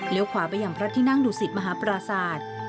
เลี้ยวขวาไปยังพระที่นั่งดูสิทธิ์มหาประสาท